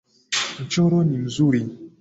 Mchoro ni mzuri